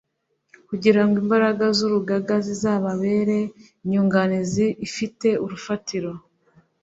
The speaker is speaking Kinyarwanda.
kugira ngo imbaraga z’urugaga zizababere inyunganizi ifite urufatiro